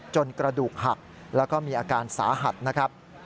กระดูกหักแล้วก็มีอาการสาหัสนะครับ